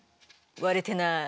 割れてない。